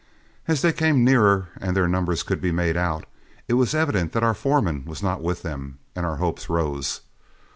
As they came nearer and their numbers could be made out, it was evident that our foreman was not with them, and our hopes rose.